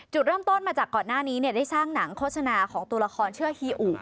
เริ่มต้นมาจากก่อนหน้านี้ได้สร้างหนังโฆษณาของตัวละครเชื่อฮีอู